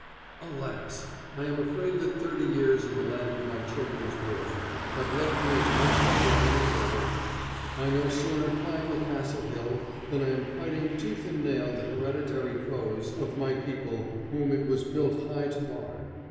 Alas! I am afraid that thirty years in the land of my children's birth have left me as much of a Dane as ever. I no sooner climb the castle hill than I am fighting tooth and nail the hereditary foes of my people whom it was built high to bar.